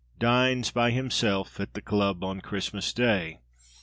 "Dines by himself at the club on Christmas day!"